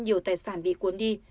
nhiều tài sản bị cuốn đi